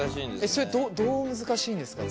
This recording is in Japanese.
それどう難しいんですか？